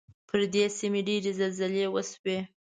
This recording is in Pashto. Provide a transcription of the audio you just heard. پر دې سیمې ډېرې زلزلې وشوې.